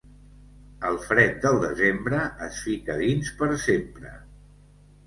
El fred del desembre es fica dins per sempre.